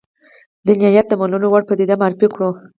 دیانت د منلو وړ پدیده معرفي کړو.